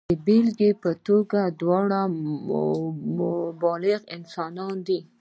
د بېلګې په توګه دواړه بالغ انسانان دي.